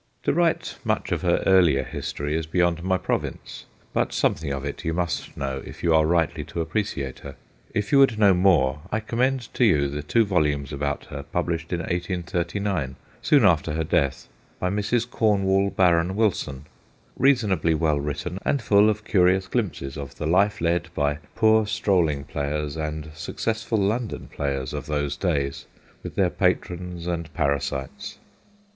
To write much of her earlier history is beyond my province, but something of it you must know if you are rightly to ap preciate her. If you would know more, I commend to you the two volumes about her published in 1839, soon after her death, by Mrs. Cornwall Barr on Wilson, reasonably well written, and full of curious glimpses of the life led by poor strolling players and successful London players of those days, with their patrons and parasites.